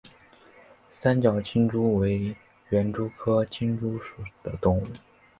三带金蛛为园蛛科金蛛属的动物。